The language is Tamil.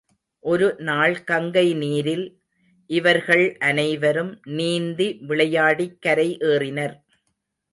ஒரு நாள் கங்கை நீரில் இவர்கள் அனைவரும் நீந்தி விளையாடிக் கரை ஏறினர்.